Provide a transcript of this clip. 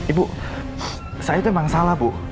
ibu saya itu memang salah bu